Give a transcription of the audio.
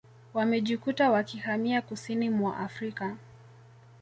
wamejikuta wakihamia kusini mwa Afrika